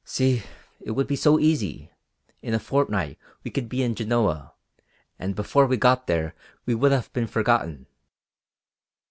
See, it would be so easy; in a fortnight we could be in Genoa, and before we got there we would have been forgotten."